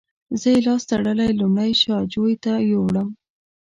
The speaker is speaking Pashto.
زه یې لاس تړلی لومړی شا جوی ته یووړم.